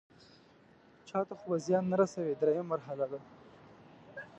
چاته خو به زیان نه رسوي دریمه مرحله ده.